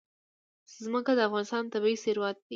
ځمکه د افغانستان طبعي ثروت دی.